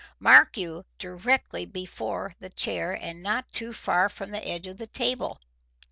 Mark you, directly before the chair and not too far from the edge of the table.